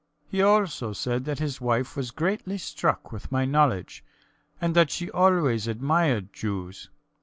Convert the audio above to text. He also said that his wife was greatly struck with my knowledge, and that she always admired Jews.